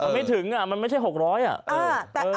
ไม่ถึงมันไม่ใช่๖๐๐อ่ะ